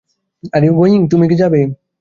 এর শক্তি তবে উন্নত প্রযুক্তি থেকে প্রাপ্ত।